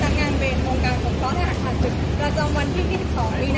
ซึ่งหมดลงเอาภารกิจจิตสิทธิ์